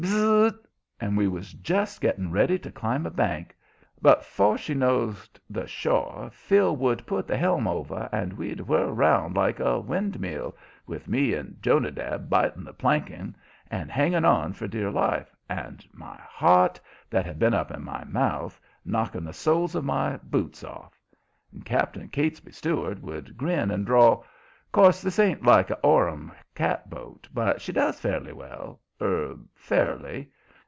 "Bu z z z!" and we was just getting ready to climb a bank; but 'fore she nosed the shore Phil would put the helm over and we'd whirl round like a windmill, with me and Jonadab biting the planking, and hanging on for dear life, and my heart, that had been up in my mouth knocking the soles of my boots off. And Cap'n Catesby Stuart would grin, and drawl: "'Course, this ain't like a Orham cat boat, but she does fairly well er fairly.